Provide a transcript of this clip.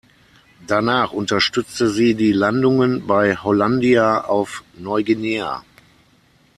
Danach unterstützte sie die Landungen bei Hollandia auf Neuguinea.